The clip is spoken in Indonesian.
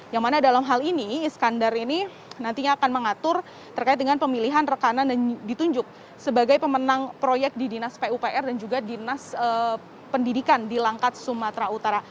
yang mana dalam hal ini iskandar ini nantinya akan mengatur terkait dengan pemilihan rekanan dan ditunjuk sebagai pemenang proyek di dinas pupr dan juga dinas pendidikan di langkat sumatera utara